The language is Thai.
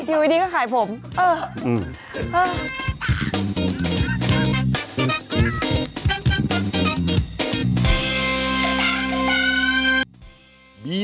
ดิดิดิดิดิดิดิดิดิดิ